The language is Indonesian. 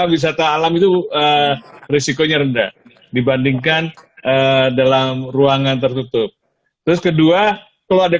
wisata alam itu risikonya rendah dibandingkan dalam ruangan tertutup terus kedua kalau ada